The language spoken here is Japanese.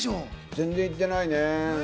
全然行ってないね。